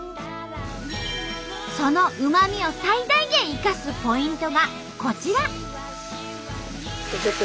そのうま味を最大限生かすポイントがこちら。